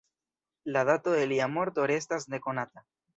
La dato de lia morto restas nekonata.